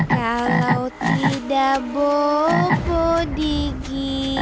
kalau tidak bobo digigit nyamuk